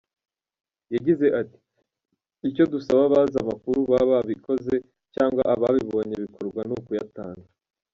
Yagize ati “Icyo dusaba abazi amakuru baba ababikoze cyangwa ababonye bikorwa ni ukuyatanga.